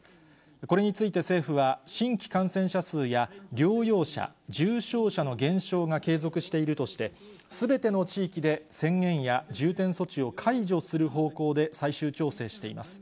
これについて政府は、新規感染者数や療養者、重症者の減少が継続しているとして、すべての地域で宣言や重点措置を解除する方向で最終調整しています。